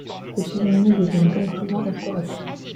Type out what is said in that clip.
Les cuisiniers deviennent donc souvent restaurateurs.